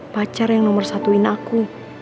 pacar yang nomor satuin aku